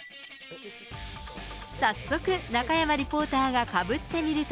早速、中山リポーターがかぶってみると。